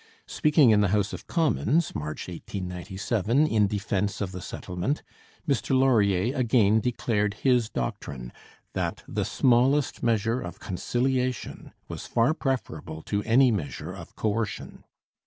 Speaking in the House of Commons (March 1897) in defence of the settlement, Mr Laurier again declared his doctrine, 'that the smallest measure of conciliation was far preferable to any measure of coercion.'